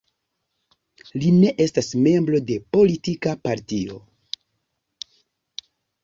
Li ne estas membro de politika partio.